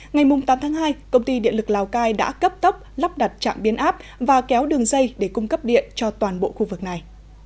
ngày tám tháng hai công ty điện lực lào cai đã cấp tốc lắp đặt trạm biến áp và kéo đường dây để cung cấp điện cho toàn bộ khu vực này